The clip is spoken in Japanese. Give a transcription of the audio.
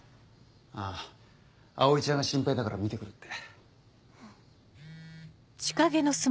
あぁ葵ちゃんが心配だから見て来るって。